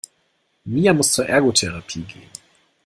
Mia muss zur Ergotherapie gehen.